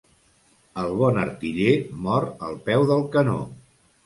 El bon artiller mor al peu del canó.